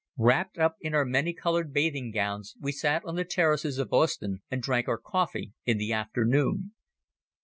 Wrapped up in our many colored bathing gowns we sat on the terraces of Ostend and drank our coffee in the afternoon.